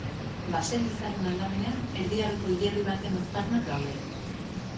Baselizaren aldamenean Erdi Aroko hilerri baten aztarnak daude.